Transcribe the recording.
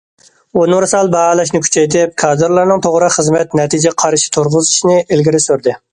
ئۇنىۋېرسال باھالاشنى كۈچەيتىپ، كادىرلارنىڭ توغرا خىزمەت نەتىجە قارىشى تۇرغۇزۇشىنى ئىلگىرى سۈردى.